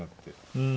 うん。